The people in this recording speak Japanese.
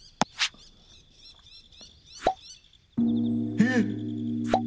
えっ！？